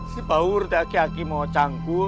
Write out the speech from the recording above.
si baur di aki aki mau canggul